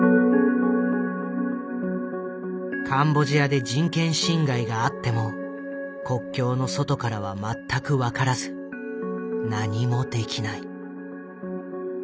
カンボジアで人権侵害があっても国境の外からは全く分からず何もできない。